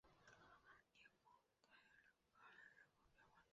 拉拉涅蒙泰格兰人口变化图示